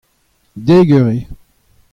Dek eur eo.